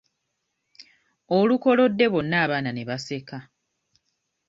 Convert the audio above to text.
Olukolodde bonna abaana ne baseka.